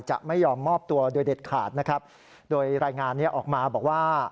จะไม่ยอมมอบตัวโดยเด็ดขาดนะครับโดยรายงานนี้ออกมาบอกว่า